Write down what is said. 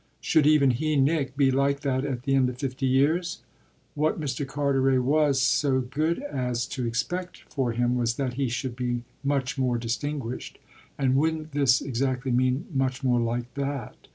Should even he, Nick, be like that at the end of fifty years? What Mr. Carteret was so good as to expect for him was that he should be much more distinguished; and wouldn't this exactly mean much more like that?